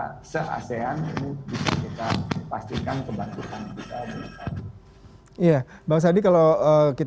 para wisata aisian ini bisa kita pastikan kebangkitan luas itu tidak mengarut arut